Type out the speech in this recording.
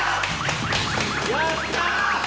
やった！